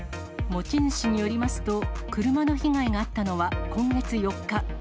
持ち主によりますと、車の被害があったのは今月４日。